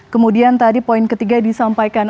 kemudian tadi poin ketiga disampaikan